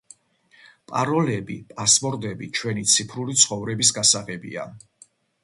პაროლები პასვორდები ჩვენი ციფრული ცხოვრების გასაღებია.